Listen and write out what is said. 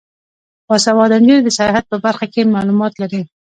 باسواده نجونې د سیاحت په برخه کې معلومات لري.